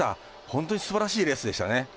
本当にすばらしいレースでしたね。